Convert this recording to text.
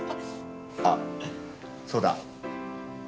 あっそうだ。